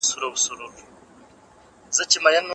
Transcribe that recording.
تل د خلګو ښېګڼې او نيک اعمال وستاياست.